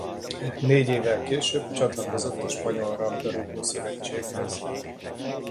Négy évvel később csatlakozott a spanyol labdarúgó-szövetséghez.